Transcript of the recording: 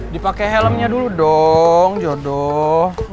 dipakai helmnya dulu dong jodoh